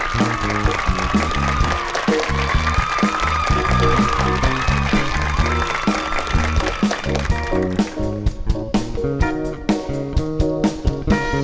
โปรดติดตามตอนต่อไป